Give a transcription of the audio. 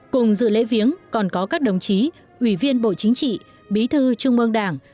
cùng dự lễ viếng còn có các đồng chí ủy viên bộ chính trị bí thư trung ương đảng